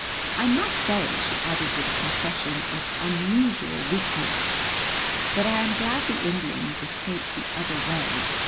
I must say," she added with a confession of unusual weakness, "that I am glad the Indians escaped the other way.